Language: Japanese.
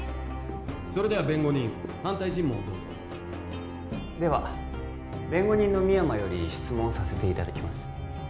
それでは弁護人反対尋問をどうぞでは弁護人の深山より質問させていただきます